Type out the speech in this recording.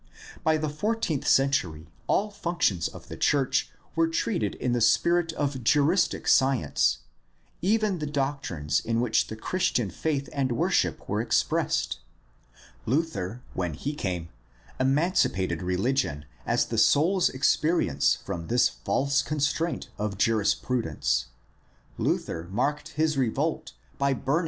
By the fourteenth century all functions of the church were treated in the spirit of juristic science, even the doctrines in which the Christian faith and worship were expressed. Luther, when he came, emancipated religion as the soul's experience from this false constraint of jurisprudence. Luther marked his revolt by burning the canon law. Literature. — W.